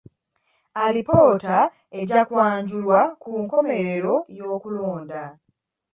Alipoota ejja kwanjulwa ku nkomerero y'okulonda.